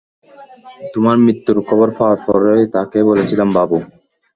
তোমার মৃত্যুর খবর পাওয়ার পরেই তাকে বলেছিলাম, বাবু।